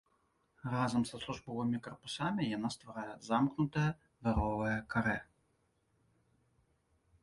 Разам са службовымі карпусамі яна стварае замкнутае дваровае карэ.